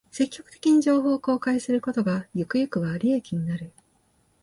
積極的に情報を公開することが、ゆくゆくは利益になる